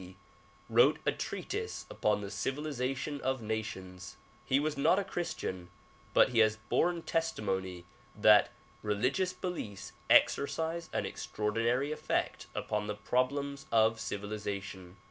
D., wrote a treatise upon the civilization of nations. He was not a Christian but he has borne testimony that religious beliefs exercise an extraordinary effect upon the problems of civilization.